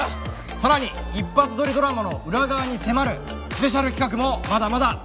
さらに一発撮りドラマの裏側に迫るスペシャル企画もまだまだ楽しめます。